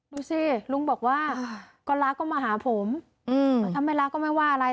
ดูสิลุงบอกว่าก็รักก็มาหาผมถ้าไม่รักก็ไม่ว่าอะไร